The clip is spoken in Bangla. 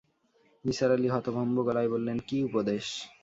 নিসার আলি হতভম্ব গলায় বললেন, কী উপদেশ?